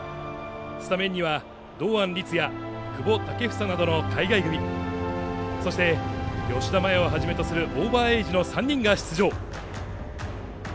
スタメンには堂安律や久保建英などの海外組そして、吉田麻也をはじめとするオーバーエージの３人が出場。